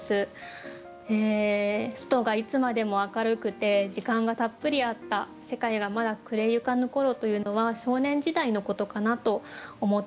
外がいつまでも明るくて時間がたっぷりあった世界がまだ昏れゆかぬころというのは少年時代のことかなと思って読みました。